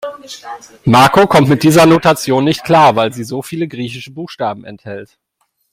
Marco kommt mit dieser Notation nicht klar, weil sie so viele griechische Buchstaben enthält.